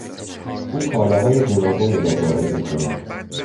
او کالاهای گوناگونی را وارد میکند.